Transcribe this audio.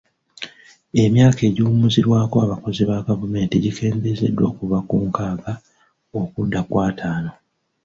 Emyaka egiwummulirwako abakozi ba gavumenti gikendeezeddwa okuva ku nkaaga okudda ku ataano.